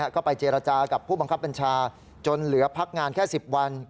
ก็ไปเจรจากับผู้บังคับบัญชาจนเหลือพักงานแค่๑๐วัน